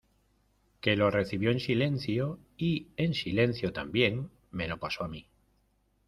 que lo recibió en silencio, y , en silencio también , me lo pasó a mí.